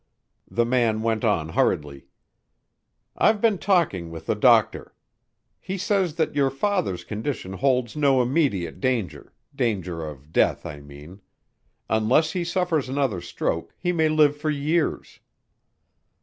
The man went on hurriedly. "I've been talking with the doctor. He says that your father's condition holds no immediate danger danger of death, I mean. Unless he suffers another stroke, he may live for years."